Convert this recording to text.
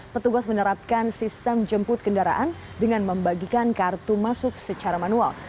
petugas menerapkan sistem jemput kendaraan dengan membagikan kartu masuk secara manual